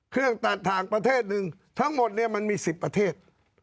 เครื่องตัดทางประเทศหนึ่งทั้งหมดเนี่ยมันมี๑๐ประเทศ